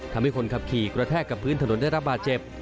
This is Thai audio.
ทำให้คนขับขี่กระแทกกับพื้นถนนได้รับบาดเจ็บ